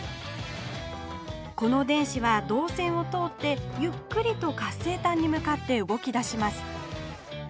この電子はどうせんを通ってゆっくりと活性炭に向かって動きだします